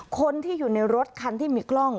คนที่อยู่ในรถคันที่มีกล้อง